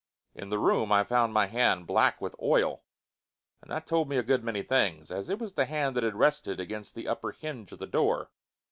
In the room I found my hand black with oil. And that told me a good many things, as it was the hand that had rested against the upper hinge of the door.